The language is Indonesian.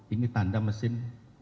ini tanda mesin